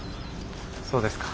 そうですか。